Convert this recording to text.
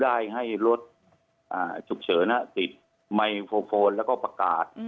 ได้ให้รถฉุกเฉินติดไมโครโฟนแล้วก็ประกาศ